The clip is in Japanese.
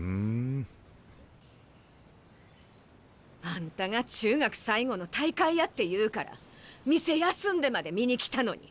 あんたが中学最後の大会やって言うから店休んでまで見に来たのに。